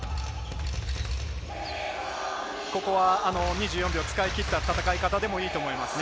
ここは２４秒使い切った戦い方でもいいと思います。